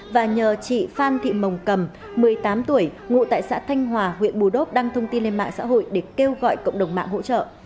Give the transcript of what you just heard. và nhờ chị phan thị mồng cầm một mươi tám tuổi ngụ tại xã thanh hòa huyện bù đốp đăng thông tin lên mạng xã hội để kêu gọi cộng đồng mạng hỗ trợ